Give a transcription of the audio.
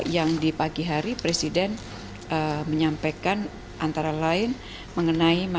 yang di pagi hari presiden menyampaikan antara lain mengenai